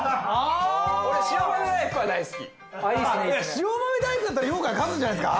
塩豆大福だったらようかん勝つんじゃないですか？